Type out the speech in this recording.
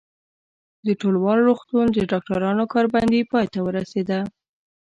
د ټولوال روغتون د ډاکټرانو کار بندي پای ته ورسېده.